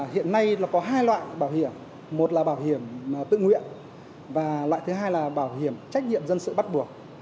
hiện nay là có hai loại bảo hiểm một là bảo hiểm tự nguyện và loại thứ hai là bảo hiểm trách nhiệm dân sự bắt buộc